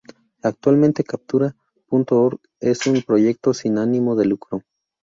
Actualmente Captura.org es un proyecto sin ánimo de lucro.